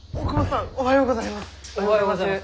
おはようございます。